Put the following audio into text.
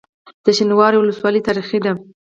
د شینوارو ولسوالۍ تاریخي ده